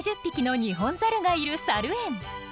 １２０匹のニホンザルがいるサル園。